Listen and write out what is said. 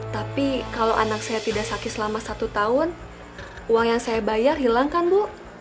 tapi kalau anak saya tidak sakit selama satu tahun uang yang saya bayar hilang kan bu